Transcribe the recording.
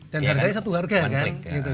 dan harganya satu harga kan